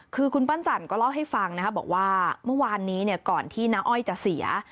คือคุณปั้นจันก็เล่าให้ฟังนะครับบอกว่าเมื่อวานนี้ก่อนที่น้าอ้อยจะเสีย